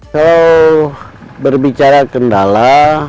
kalau berbicara kendala